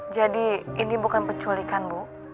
jadi ini bukan peculikan bu